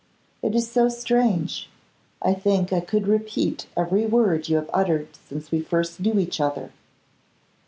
It is so strange; I think I could repeat every word you have uttered since we first knew each other.